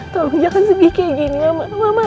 tolong jangan sedih kayak gini mama